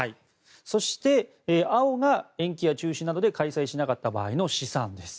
そして、青が延期や中止などで開催しなかった場合の試算です。